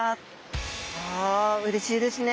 あうれしいですね。